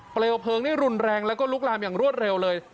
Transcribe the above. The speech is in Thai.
เพลิงนี่รุนแรงแล้วก็ลุกลามอย่างรวดเร็วเลย